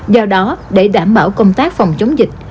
do đó để đảm bảo công tác phòng chống dịch